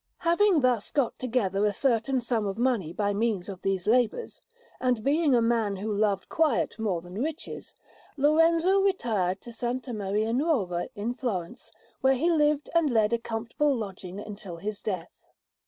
Having thus got together a certain sum of money by means of these labours, and being a man who loved quiet more than riches, Lorenzo retired to S. Maria Nuova in Florence, where he lived and had a comfortable lodging until his death.